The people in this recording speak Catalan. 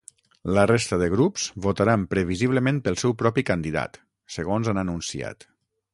La resta de grups votaran previsiblement pel seu propi candidat, segons han anunciat.